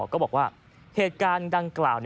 ก็บอกว่าเหตุการณ์ดังกล่าว